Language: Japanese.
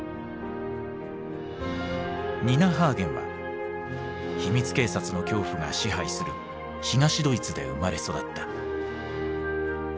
ニナ・ハーゲンは秘密警察の恐怖が支配する東ドイツで生まれ育った。